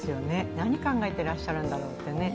何考えてらっしゃるんだろうってね。